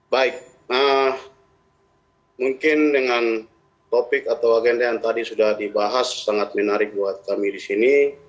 baik mungkin dengan topik atau agenda yang tadi sudah dibahas sangat menarik buat kami di sini